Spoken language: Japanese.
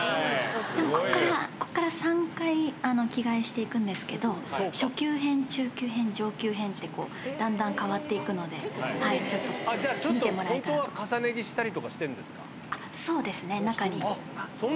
でも、ここから３回着替えしていくんですけど、初級編、中級編、上級編ってこう、だんだん変わっていくので、ちょっと見てもらえちょっと、本当は重ね着したそうですね、中に。